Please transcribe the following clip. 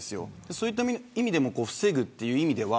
そういった意味でも防ぐという意味では